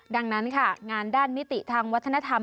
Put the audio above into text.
ดังนั้นค่ะงานด้านมิติทางวัฒนธรรม